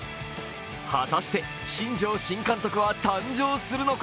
果たして、新庄新監督は誕生するのか？